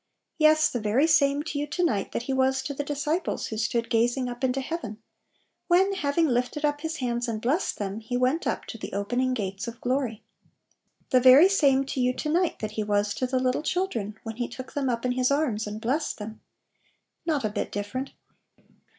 Yes, the very same to you to night that He was to the disciples who stood gaz ing up into heaven, when, having lifted up His hands and blessed them, He went up to the opening gates of glory. The very same to you to night that He was to the little children, when He took them up in His arms and blessed them. Not a bit different!